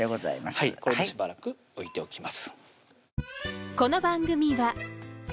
これでしばらく置いておきます